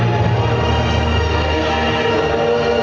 ขอบคุณค่ะ